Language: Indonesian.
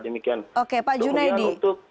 oke pak junaidi